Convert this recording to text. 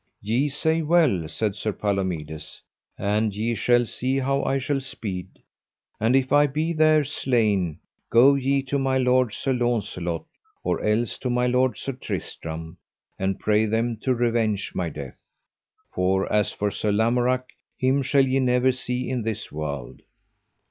Ye say well, said Sir Palomides, and ye shall see how I shall speed; and if I be there slain go ye to my lord Sir Launcelot, or else to my lord Sir Tristram, and pray them to revenge my death, for as for Sir Lamorak him shall ye never see in this world.